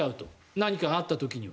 何かあった時には。